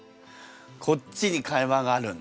こっちに会話があるんだ？